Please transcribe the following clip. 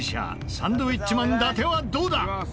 サンドウィッチマン伊達はどうだ？